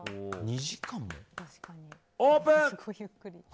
オープン！